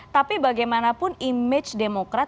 tapi bagaimanapun image demokrat